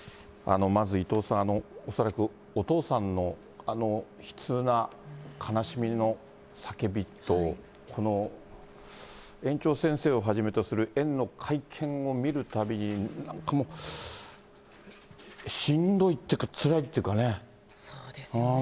まず伊藤さん、恐らくお父さんのあの悲痛な悲しみの叫びと、この園長先生をはじめとする、園の会見を見るたびに、なんかもう、しんどいっていうか、そうですよね。